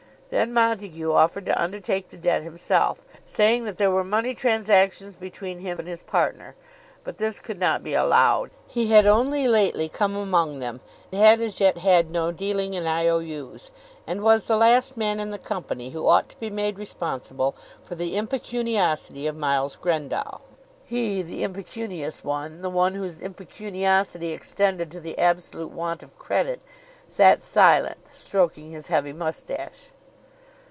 Then Montague offered to undertake the debt himself, saying that there were money transactions between him and his partner. But this could not be allowed. He had only lately come among them, had as yet had no dealing in I.O.U.'s, and was the last man in the company who ought to be made responsible for the impecuniosity of Miles Grendall. He, the impecunious one, the one whose impecuniosity extended to the absolute want of credit, sat silent, stroking his heavy moustache.